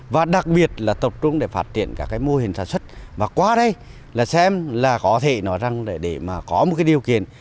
và đặc biệt là tập trung để phát triển các cái mô hình sản xuất và qua đây là xem là có thể nói rằng để mà có một cái điều kiện